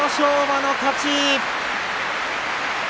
馬の勝ち。